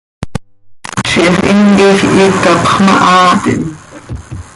Ziix himquij hiic hapx mahaatim.